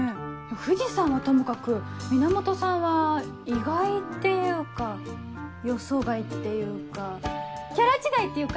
藤さんはともかく源さんは意外っていうか予想外っていうかキャラ違いっていうか。